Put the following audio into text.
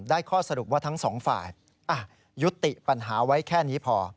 ข้อสรุปว่าทั้งสองฝ่ายยุติปัญหาไว้แค่นี้พอ